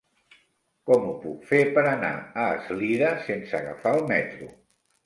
Com ho puc fer per anar a Eslida sense agafar el metro?